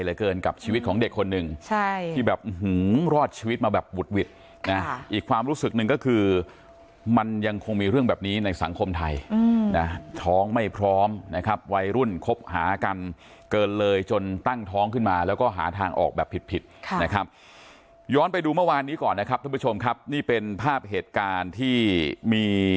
เหลือเกินกับชีวิตของเด็กคนหนึ่งใช่ที่แบบรอดชีวิตมาแบบบุดหวิดนะอีกความรู้สึกหนึ่งก็คือมันยังคงมีเรื่องแบบนี้ในสังคมไทยนะท้องไม่พร้อมนะครับวัยรุ่นคบหากันเกินเลยจนตั้งท้องขึ้นมาแล้วก็หาทางออกแบบผิดผิดนะครับย้อนไปดูเมื่อวานนี้ก่อนนะครับท่านผู้ชมครับนี่เป็นภาพเหตุการณ์ที่มี